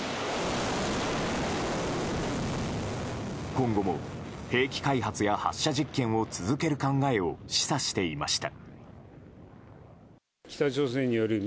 今後も兵器開発や発射実験を続ける考えを示唆していました。